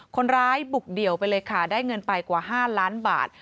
คนร้ายบุกเดี่ยวไปเลยค่ะได้เงินไปกว่า๕ล้านบาท